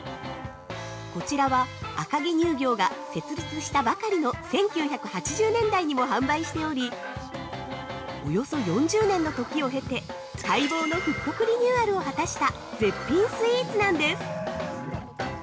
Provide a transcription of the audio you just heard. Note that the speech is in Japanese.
こちらは赤城乳業が設立したばかりの１９８０年代にも販売しておりおよそ４０年の時を経て、待望の復刻リニューアルを果たした絶品スイーツなんです。